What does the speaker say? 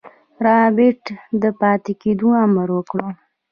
رابرټ د پاتې کېدو امر وکړ.